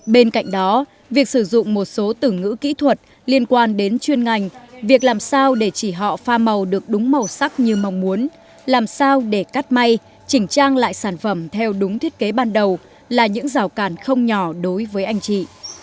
bên cạnh đó việc sử dụng một số từ ngữ kỹ thuật liên quan đến chuyên ngành việc làm sao để chỉ họ pha màu được đúng màu sắc như mong muốn làm sao để cắt may chỉnh trang lại sản phẩm theo đúng thiết kế ban đầu là những rào cản không nhỏ đối với anh chị